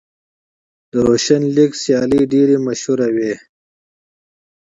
د روشن لیګ سیالۍ ډېرې مشهورې وې.